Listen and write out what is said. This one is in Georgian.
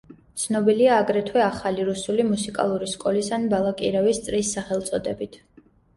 ცნობილია აგრეთვე ახალი რუსული მუსიკალური სკოლის ან „ბალაკირევის წრის“ სახელწოდებით.